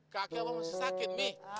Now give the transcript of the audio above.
kaki aku masih sakit mi